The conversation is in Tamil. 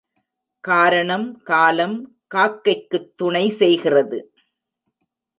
காரணம் காலம் காக்கைக்குத் துணை செய்கிறது.